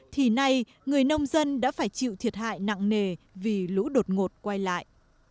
thì nay người nông dân đã phải chịu thiệt hại nặng nề vì lũ đột ngột quay lại